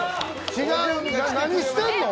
何してんの？